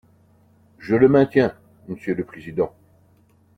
Je le maintiens, monsieur le président.